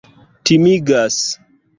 timigas